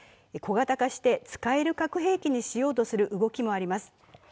小型化して使える核兵器にしようとする動きもあります。